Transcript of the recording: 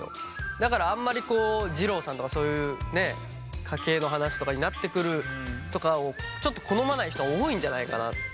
だからあんまり二郎さんとかそういう家系の話とかになってくるとかをちょっと好まない人は多いんじゃないかな。